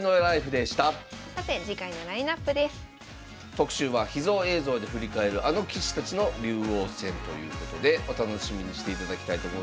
特集は「秘蔵映像で振り返るあの棋士たちの竜王戦」ということでお楽しみにしていただきたいと思います。